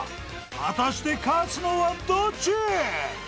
［果たして勝つのはどっち？］